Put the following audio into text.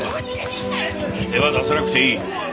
手は出さなくていい。